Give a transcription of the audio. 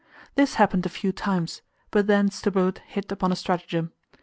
This happened a few times, but then Stubberud hit upon a stratagem.